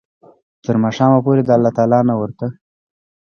تر ماښامه پوري د الله تعالی نه ورته